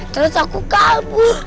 terus aku kabur